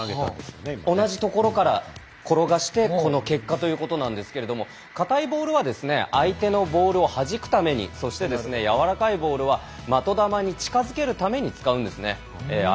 同じ所から転がして、この結果ということなんですが硬いボールは相手のボールをはじくためにそして柔らかいボールは的玉に近づけるために使うんですね。